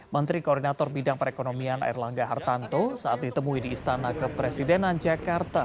menteri koordinator bidang perekonomian erlangga hartanto saat ditemui di istana kepresidenan jakarta